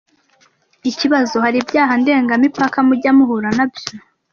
Ikibazo : Hari ibyaha ndengamipaka mujya muhura nabyo ?